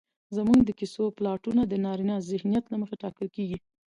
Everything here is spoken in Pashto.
زموږ د کيسو پلاټونه د نارينه ذهنيت له مخې ټاکل کېږي